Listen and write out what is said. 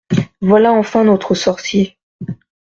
Voilà enfin notre sorcier…